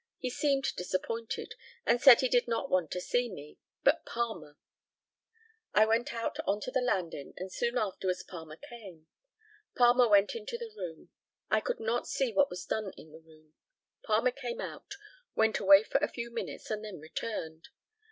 He seemed disappointed, and said he did not want to see me, but Palmer. I went out on to the landing, and soon afterwards Palmer came. Palmer went into the room. I could not see what was done in the room. Palmer came out, went away for a few minutes, and then returned.